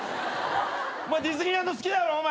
ディズニーランド好きだろお前。